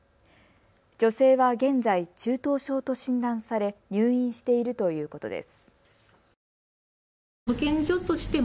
女性は現在、中等症と診断され入院しているということです。